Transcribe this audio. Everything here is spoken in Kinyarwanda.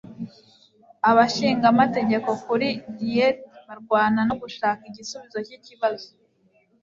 abashingamategeko muri diet barwana no gushaka igisubizo cyikibazo